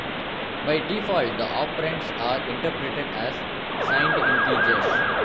By default, the operands are interpreted as signed integers.